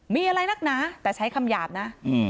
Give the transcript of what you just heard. มีอะไรนักหนาแต่ใช้คำหยาบนะ